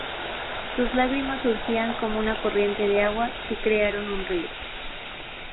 Sus lágrimas surgían como una corriente de agua, y crearon un río.